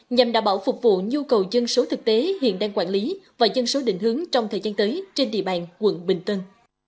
nhằm đảm bảo phục vụ nhu cầu dân số thực tế hiện đang quản lý và dân số định hướng trong thời gian tới trên địa bàn tp hcm